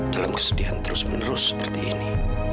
dalam kesedihan terus menerus seperti ini